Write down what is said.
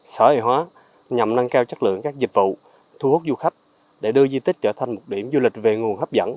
sở hữu hóa nhằm nâng cao chất lượng các dịch vụ thu hút du khách để đưa di tích trở thành một điểm du lịch về nguồn hấp dẫn